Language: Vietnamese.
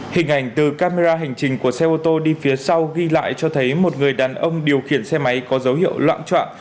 hình ảnh từ camera hành trình của xe ô tô đi phía sau ghi lại cho thấy một người đàn ông điều khiển xe máy có dấu hiệu loạn trọng